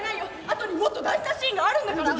あとにもっと大事なシーンがあるんだから。